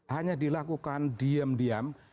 hanya dilakukan diam diam